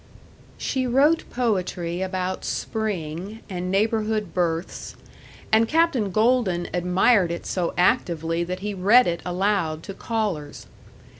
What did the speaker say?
She wrote poetry about spring and neighborhood births, and Captain Golden admired it so actively that he read it aloud to callers.